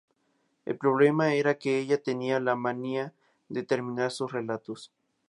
El problema era que ella tenía la manía de no terminar sus relatos.